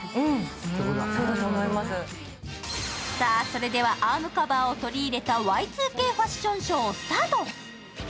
それではアームカバーを取り入れたＹ２Ｋファッションショー、スタート。